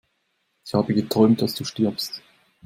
Ich habe geträumt, dass du stirbst!